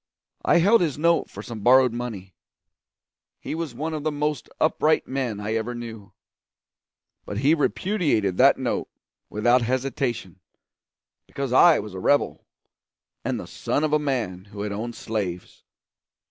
I held his note for some borrowed money. He was one of the most upright men I ever knew; but he repudiated that note without hesitation, because I was a rebel, and the son of a man who had owned slaves.